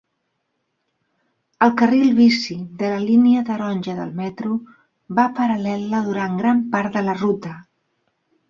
El carril bici de la línia taronja del metro va parel·la durant gran part de la ruta.